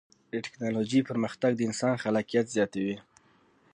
د ټکنالوجۍ پرمختګ د انسان خلاقیت زیاتوي.